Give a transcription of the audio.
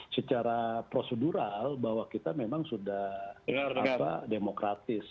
secara prosedural bahwa kita memang sudah demokratis